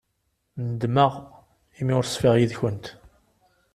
Nedmeɣ imi ur ṣfiɣ yid-kent.